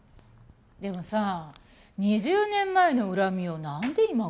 でもさ２０年前の恨みをなんで今頃？